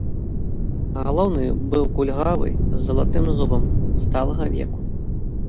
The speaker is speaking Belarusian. Галоўны быў кульгавы, з залатым зубам, сталага веку.